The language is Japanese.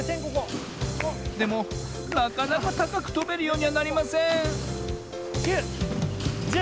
でもなかなかたかくとべるようにはなりません９１０！